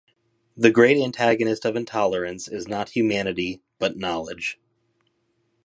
The great antagonist of intolerance is not humanity, but knowledge.